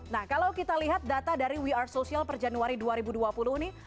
nah kalau kita lihat data dari we are social per januari dua ribu dua puluh ini